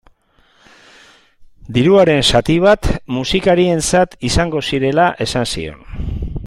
Diruaren zati bat musikarientzat izango zirela esan zion.